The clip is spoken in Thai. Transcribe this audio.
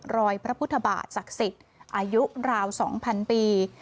รอยพระพุทธบาทศักดิ์สิทธิ์อายุราว๒๐๐ปี